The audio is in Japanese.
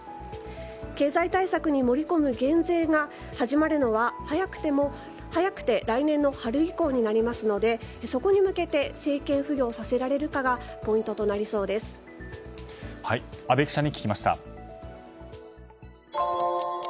経済対策に盛り込む減税が始まるのは早くて来年の春以降になりますのでそこに向けて政権浮揚させられるかが阿部記者に聞きました。